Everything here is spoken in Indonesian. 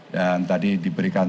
dan tadi diberikan